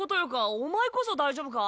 お前こそ大丈夫か？